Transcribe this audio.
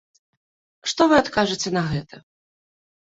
Што вы адкажаце на гэта?